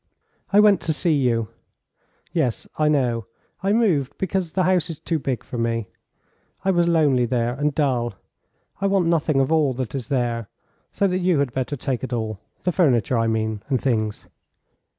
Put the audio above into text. "I went to see you." "Yes, I know. I moved because the house is too big for me. I was lonely there, and dull. I want nothing of all that is there, so that you had better take it all the furniture, I mean, and things."